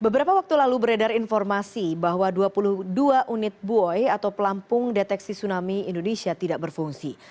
beberapa waktu lalu beredar informasi bahwa dua puluh dua unit buoy atau pelampung deteksi tsunami indonesia tidak berfungsi